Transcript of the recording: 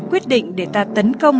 quyết định để ta tấn công